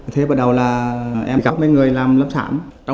thế bắt đầu là em gặp mấy người làm lâm sảm